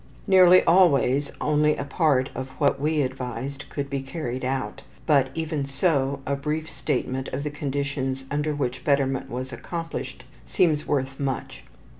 Nearly always only a part of what we advised could be carried out, but, even so, a brief statement of the conditions under which betterment was accomplished seems worth much.